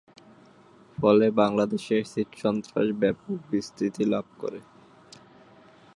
ফলে বাংলাদেশে এসিড সন্ত্রাস ব্যাপক বিস্তৃতি লাভ করে।